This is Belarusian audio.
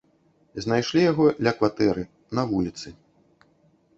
Знайшлі яго ля кватэры, на вуліцы.